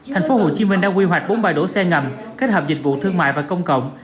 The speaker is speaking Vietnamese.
thành phố hồ chí minh đã quy hoạch bốn bãi đổ xe ngầm kết hợp dịch vụ thương mại và công cộng